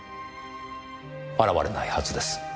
現れないはずです。